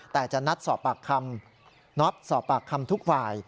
แต่จะนัดสอบปากคำทุกฝ่าย